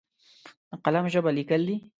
د قلم ژبه لیکل دي!